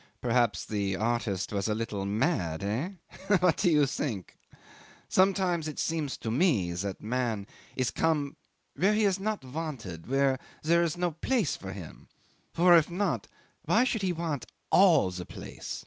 "Perhaps the artist was a little mad. Eh? What do you think? Sometimes it seems to me that man is come where he is not wanted, where there is no place for him; for if not, why should he want all the place?